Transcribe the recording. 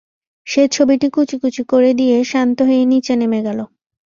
সে ছবিটি কুচিকুচি করে দিয়ে শান্ত হয়ে নিচে নেমে গেল।